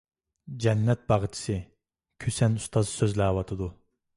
«جەننەت باغچىسى»، كۈسەن ئۇستاز سۆزلەۋاتىدۇ.